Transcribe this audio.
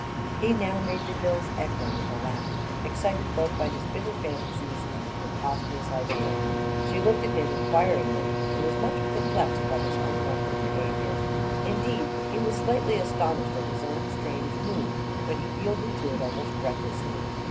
He now made the hills echo with a laugh, excited both by his bitter fancies and the preposterous idea. She looked at him inquiringly and was much perplexed by his unwonted behavior. Indeed, he was slightly astonished at his own strange mood, but he yielded to it almost recklessly.